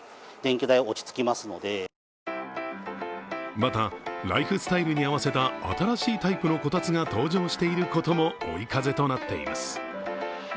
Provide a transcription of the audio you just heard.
また、ライフスタイルに合わせた新しいタイプのこたつが登場していることも追い風となっています。